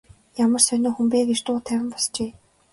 Ямар сонин хүн бэ гэж дуу тавин босжээ.